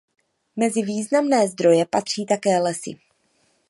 Mezi významné zdroje patří také lesy.